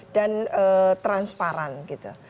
dan transparan gitu